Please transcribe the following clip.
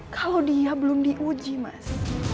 kalau dia belum diuji mas